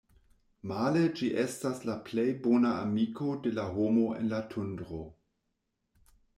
Male, ĝi estas la plej bona amiko de la homo en la Tundro.